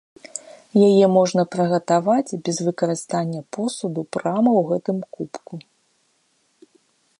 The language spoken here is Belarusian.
Яе можна прыгатаваць без выкарыстання посуду прама ў гэтым кубку.